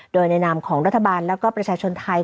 โดยแนะนำของรัฐบาลและประชาชนไทย